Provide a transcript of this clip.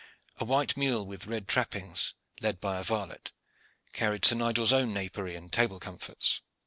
A white mule with red trappings, led by a varlet, carried Sir Nigel's own napery and table comforts.